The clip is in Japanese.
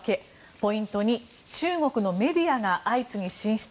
ポイント２中国のメディアが相次ぎ進出